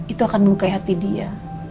itu akan melukai hati dia